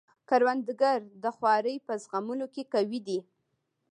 کروندګر د خوارۍ په زغملو کې قوي دی